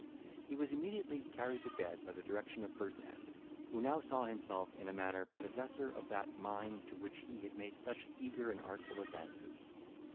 He was immediately carried to bed by the direction of Ferdinand, who now saw himself in a manner possessor of that mine to which he had made such eager and artful advances.